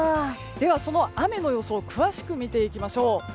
ではその雨の予想を詳しく見ていきます。